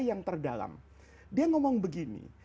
yang terdalam dia ngomong begini